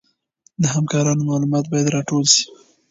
د همکارانو معلومات باید راټول شي.